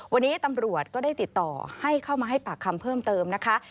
วันนี้ตำรวจก็ได้ติดต่อให้เข้ามาให้ปากคำเพิ่มเติมนะคะ